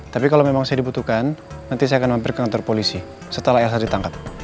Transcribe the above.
tapi kalau memang saya dibutuhkan nanti saya akan mampir ke kantor polisi setelah elsa ditangkap